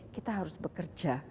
kita harus bekerja